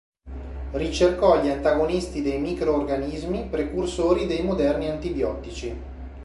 Ricercò gli antagonisti dei microorganismi, precursori dei moderni antibiotici.